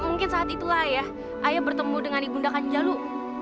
mungkin saat itulah ayah bertemu dengan ibu ndakan jalu